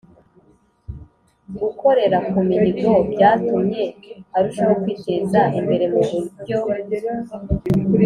Gukorera ku mihigo byatumye arushaho kwiteza imbere mu buryo